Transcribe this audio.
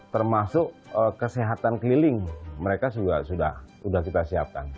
termasuk kesehatan keliling mereka sudah kita siapkan